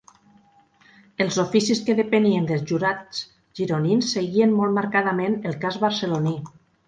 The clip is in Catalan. Els oficis que depenien dels Jurats gironins seguien molt marcadament el cas barceloní.